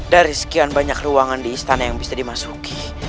dari sekian banyak ruangan di istana yang bisa dimasuki